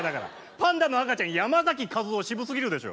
パンダの赤ちゃんやまざきかずお渋すぎるでしょ。